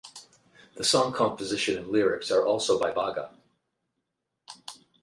The song composition and lyrics are also by Bagga.